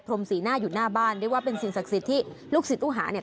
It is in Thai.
มสีหน้าอยู่หน้าบ้านเรียกว่าเป็นสิ่งศักดิ์สิทธิ์ที่ลูกศิษย์ตู้หาเนี่ย